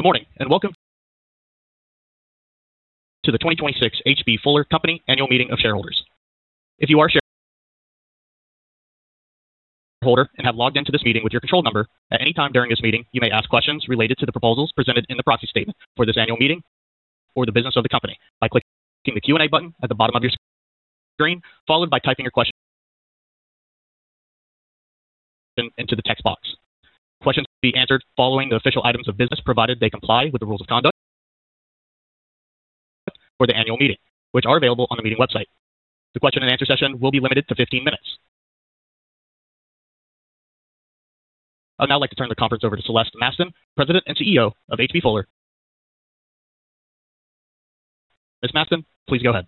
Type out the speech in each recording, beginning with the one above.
Good morning, and welcome to the 2026 H.B. Fuller Company Annual Meeting of Shareholders. If you are a shareholder and have logged in to this meeting with your control number, at any time during this meeting, you may ask questions related to the proposals presented in the proxy statement for this annual meeting or the business of the company by clicking the Q&A button at the bottom of your screen, followed by typing your question into the text box. Questions will be answered following the official items of business, provided they comply with the rules of conduct for the annual meeting, which are available on the meeting website. The question-and-answer session will be limited to 15 minutes. I would now like to turn the conference over to Celeste Mastin, President and CEO of H.B. Fuller. Ms. Mastin, please go ahead.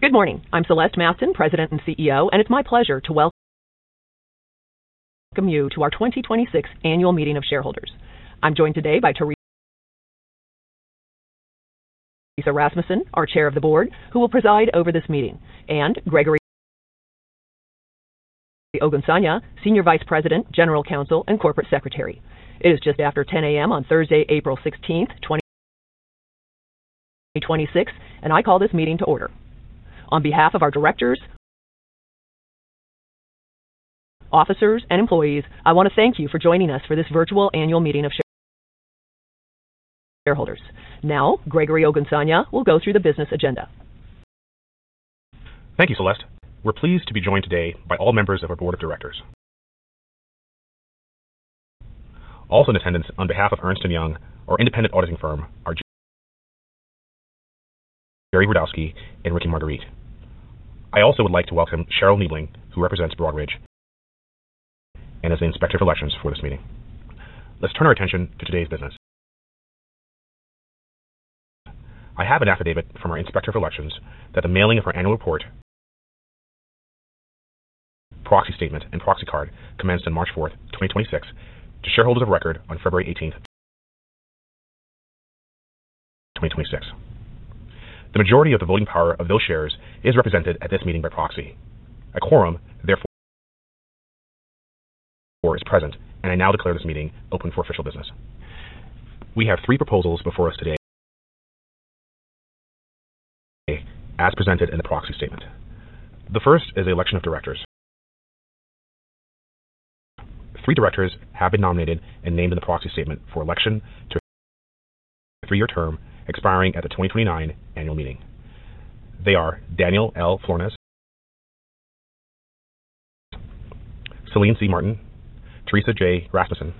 Good morning. I'm Celeste Mastin, President and CEO, and it's my pleasure to welcome you to our 2026 Annual Meeting of Shareholders. I'm joined today by Teresa Rasmussen, our Chair of the Board, who will preside over this meeting, and Gregory Ogunsanya, Senior Vice President, General Counsel and Corporate Secretary. It is just after 10 A.M. on Thursday, April 16th, 2026, and I call this meeting to order. On behalf of our directors, officers, and employees, I want to thank you for joining us for this virtual annual meeting of shareholders. Now, Gregory Ogunsanya will go through the business agenda. Thank you, Celeste. We're pleased to be joined today by all members of our board of directors. Also in attendance, on behalf of Ernst & Young, our independent auditing firm, are Jerry Rudowski and Ricky Marguerite. I also would like to welcome Cheryl Neebling, who represents Broadridge and is the Inspector of Elections for this meeting. Let's turn our attention to today's business. I have an affidavit from our Inspector of Elections that the mailing of our annual report, proxy statement, and proxy card commenced on March 4th, 2026, to shareholders of record on February 18th, 2026. The majority of the voting power of those shares is represented at this meeting by proxy. A quorum, therefore, is present, and I now declare this meeting open for official business. We have three proposals before us today as presented in the proxy statement. The first is the election of directors. Three directors have been nominated and named in the proxy statement for election to a three-year term expiring at the 2029 annual meeting. They are Daniel L. Florness, Celine C. Martin, Teresa J. Rasmussen.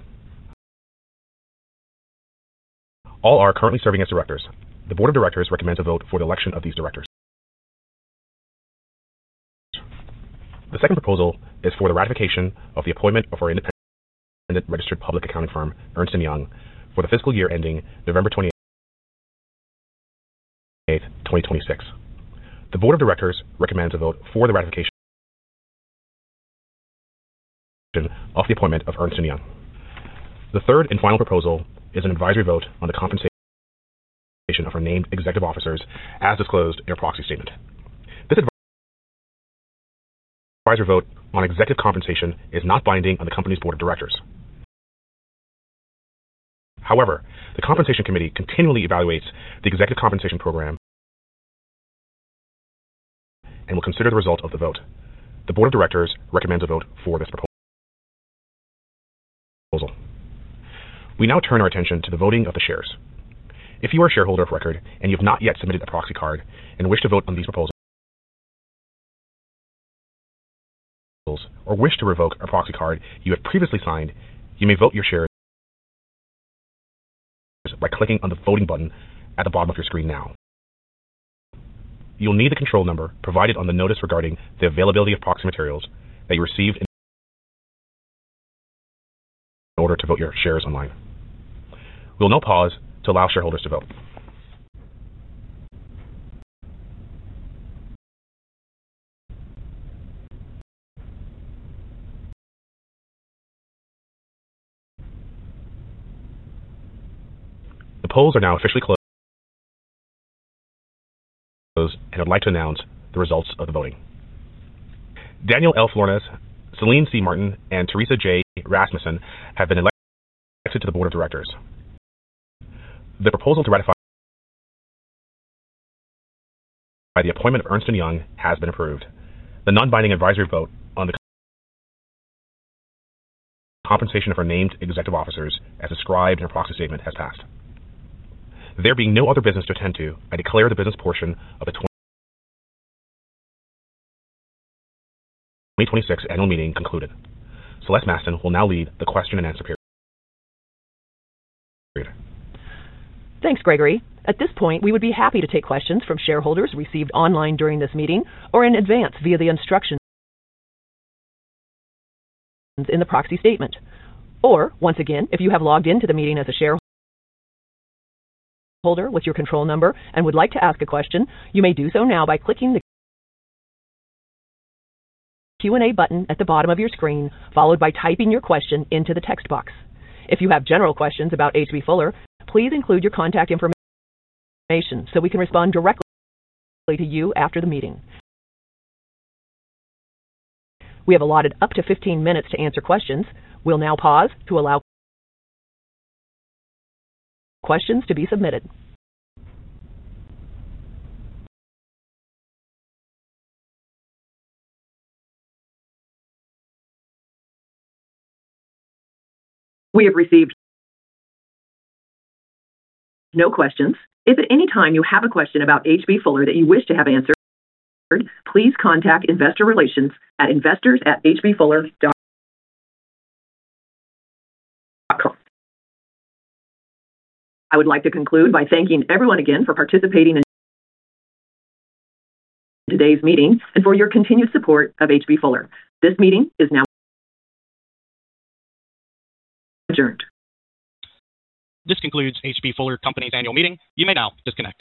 All are currently serving as directors. The board of directors recommends a vote for the election of these directors. The second proposal is for the ratification of the appointment of our independent registered public accounting firm, Ernst & Young, for the fiscal year ending November 28th, 2026. The board of directors recommends a vote for the ratification of the appointment of Ernst & Young. The third and final proposal is an advisory vote on the compensation of our named executive officers as disclosed in our proxy statement. This advisory vote on executive compensation is not binding on the company's board of directors. However, the Compensation Committee continually evaluates the executive compensation program and will consider the result of the vote. The Board of Directors recommends a vote for this proposal. We now turn our attention to the voting of the shares. If you are a shareholder of record and you have not yet submitted a proxy card and wish to vote on these proposals or wish to revoke a proxy card you have previously signed, you may vote your shares by clicking on the voting button at the bottom of your screen now. You'll need the control number provided on the notice regarding the availability of proxy materials that you received in order to vote your shares online. We'll now pause to allow shareholders to vote. The polls are now officially closed and I'd like to announce the results of the voting. Daniel L. Florness, Celine Martin, and Teresa J. Rasmussen. Rasmussen have been elected to the board of directors. The proposal to ratify the appointment of Ernst & Young has been approved. The non-binding advisory vote on the compensation of our named executive officers, as described in our proxy statement, has passed. There being no other business to attend to, I declare the business portion of the 2026 annual meeting concluded. Celeste Mastin will now lead the question and answer period. Thanks, Gregory. At this point, we would be happy to take questions from shareholders received online during this meeting or in advance via the instructions in the proxy statement. Once again, if you have logged in to the meeting as a shareholder with your control number and would like to ask a question, you may do so now by clicking the Q&A button at the bottom of your screen, followed by typing your question into the text box. If you have general questions about H.B. Fuller, please include your contact information so we can respond directly to you after the meeting. We have allotted up to 15 minutes to answer questions. We'll now pause to allow questions to be submitted. We have received no questions. If at any time you have a question about H.B. Fuller that you wish to have answered, please contact investor relations at investors@hbfuller.com. I would like to conclude by thanking everyone again for participating in today's meeting and for your continued support of H.B. Fuller. This meeting is now adjourned. This concludes H.B. Fuller Company's annual meeting. You may now disconnect.